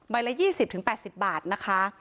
ละ๒๐๘๐บาทนะคะ